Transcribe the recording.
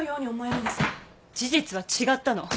事実は違ったの。